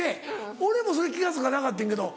俺もそれ気が付かなかってんけど。